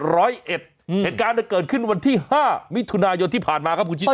เหตุการณ์เกิดขึ้นวันที่๕มิถุนายนที่ผ่านมาครับคุณชิสา